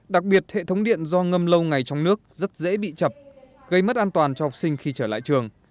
đặc biệt hệ thống điện do ngâm lâu ngày trong nước rất dễ bị chập gây mất an toàn cho học sinh khi trở lại trường